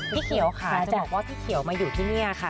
พี่เขียวค่ะจะบอกว่าพี่เขียวมาอยู่ที่นี่ค่ะ